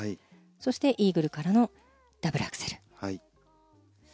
そしてイーグルからのダブルアクセル。